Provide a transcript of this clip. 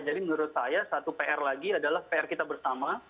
jadi menurut saya satu pr lagi adalah pr kita bersama